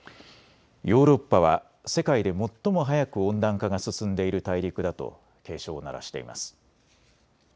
ヨーロッパは世界で最も速く温暖化が進んでいる大陸だと警鐘を鳴らしています。